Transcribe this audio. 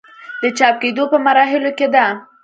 د چاپ کيدو پۀ مراحلو کښې ده